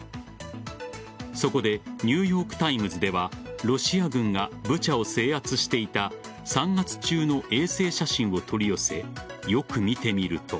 そこでニューヨーク・タイムズではロシア軍がブチャを制圧していた３月中の衛星写真を取り寄せよく見てみると。